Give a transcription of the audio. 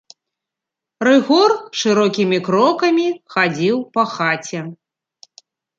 Рыгор шырокімі крокамі хадзіў па хаце.